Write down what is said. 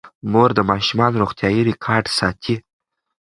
مور د ماشومانو روغتیايي ریکارډ ساتي.